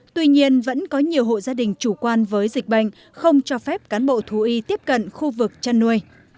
tuy nhiên vẫn có nhiều hộ gia đình chủ quan với dịch bệnh không cho phép cán bộ thú y tiếp cận khu vực chăn nuôi